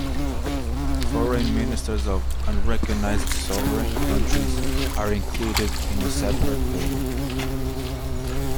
Foreign ministers of unrecognised sovereign countries are included in a separate table.